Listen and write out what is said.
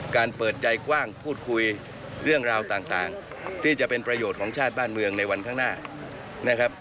เปิดใจกว้างพูดคุยเรื่องราวต่างที่จะเป็นประโยชน์ของชาติบ้านเมืองในวันข้างหน้านะครับ